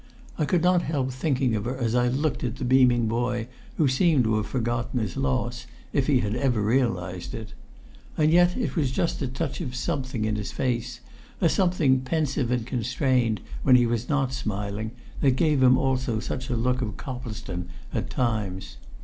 I could not help thinking of her as I looked at the beaming boy who seemed to have forgotten his loss, if he had ever realised it. And yet it was just a touch of something in his face, a something pensive and constrained, when he was not smiling, that gave him also such a look of Coplestone at times.